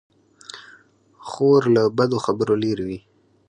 خور له بدو خبرو لیرې وي.